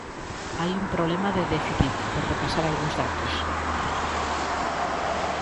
Hai un problema de déficit, por repasar algúns datos.